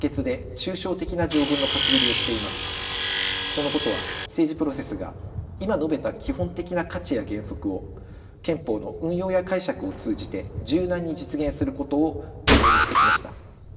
そのことは政治プロセスが今述べた基本的な価値や原則を憲法の運用や解釈を通じて柔軟に実現することを可能にしてきました。